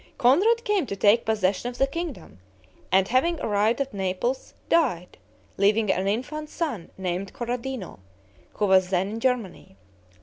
Conrad came to take possession of the kingdom, and having arrived at Naples, died, leaving an infant son named Corradino, who was then in Germany.